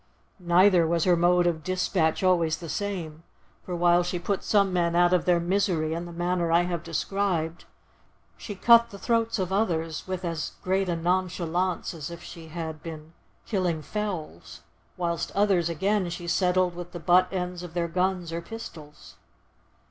Neither was her mode of dispatch always the same, for while she put some men out of their misery in the manner I have described, she cut the throats of others with as great a nonchalance as if she had been killing fowls, whilst others again she settled with the butt ends of their guns or pistols.